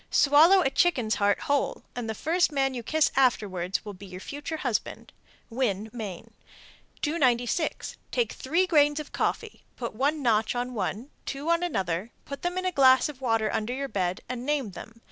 Swallow a chicken's heart whole, and the first man you kiss afterwards will be your future husband. Winn, Me. 296. Take three grains of coffee, put one notch on one, two on another, put them in a glass of water under your bed, and name them.